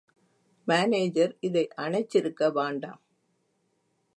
Manager இதை அணைச்சிருக்க வாண்டாம்.